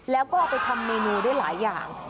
แล้วก็เอาไปทำเมนูได้หลายอย่าง